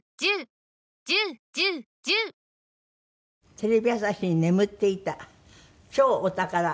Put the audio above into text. テレビ朝日に眠っていた超お宝映像。